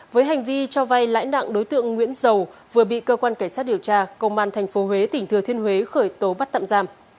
với hành vi cho vay lãi nặng đối tượng nguyễn dầu vừa bị cơ quan cảnh sát điều tra công an tp huế tỉnh thừa thiên huế khởi tố bắt tạm giam